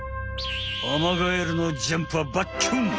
アマガエルのジャンプはバッキュン！